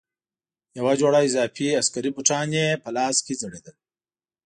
یوه جوړه اضافي عسکري بوټان یې په لاس کې ځړېدل.